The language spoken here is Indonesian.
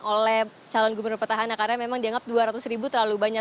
oleh calon gubernur petahana karena memang dianggap dua ratus ribu terlalu banyak